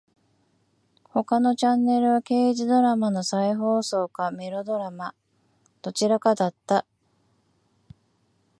他のチャンネルは刑事ドラマの再放送かメロドラマ。どちらかだった。